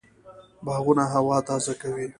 باغونه هوا تازه کوي